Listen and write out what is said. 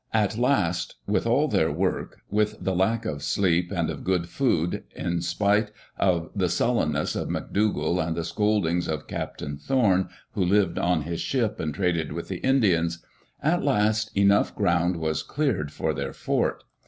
At last, with all their work, with the lack of sleep and of good food, in spite of the suUenness of McDougall and the scoldings of Captain Thorn, who lived on his ship and traded with the Indians — at last enough ground was cleared for their fort.